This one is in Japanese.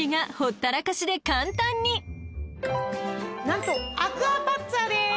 何とアクアパッツァです！